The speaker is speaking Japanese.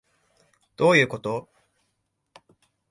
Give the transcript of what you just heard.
どういうこと？